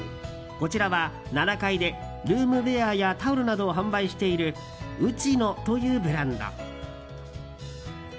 こちらは７階でルームウェアやタオルなどを販売しているＵＣＨＩＮＯというブランド。